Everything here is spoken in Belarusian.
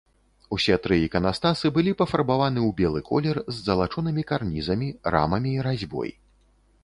Усе тры іканастасы былі пафарбаваны ў белы колер з залачонымі карнізамі, рамамі і разьбой.